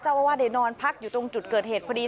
เจ้าอาวาดในนอนพักอยู่ตรงจุดเกิดเหตุพอดี